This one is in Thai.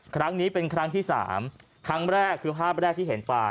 ครั้งนี้เป็นครั้งที่สามครั้งแรกคือภาพแรกที่เห็นไป